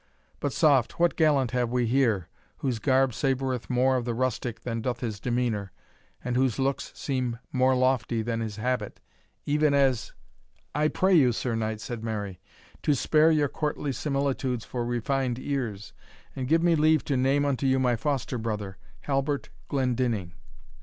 But soft, what gallant have we here, whose garb savoureth more of the rustic than doth his demeanour, and whose looks seem more lofty than his habit; even as " "I pray you, Sir Knight," said Mary, "to spare your courtly similitudes for refined ears, and give me leave to name unto you my foster brother, Halbert Glendinning."